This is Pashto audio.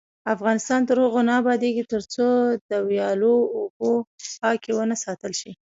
افغانستان تر هغو نه ابادیږي، ترڅو د ویالو اوبه پاکې ونه ساتل شي.